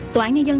tòa án nhân dân